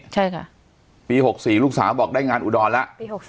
ใช่ค่ะปี๖๔ลูกสาวบอกได้งานอุดรแล้วปี๖๔